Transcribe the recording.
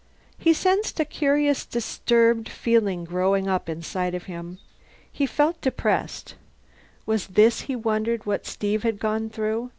He sensed a curious disturbed feeling growing inside him. He felt depressed. Was this, he wondered, what Steve had gone through?